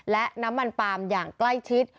และน้ำมันปาล์มอย่างใกล้ชิด